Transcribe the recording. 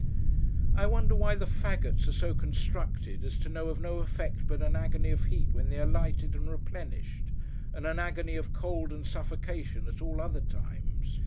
I wonder why the faggots are so constructed, as to know of no effect but an agony of heat when they are lighted and replenished, and an agony of cold and suffocation at all other times!